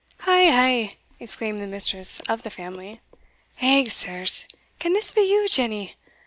"Ay, ay," exclaimed the mistress of the family "Hegh, sirs! can this be you, Jenny?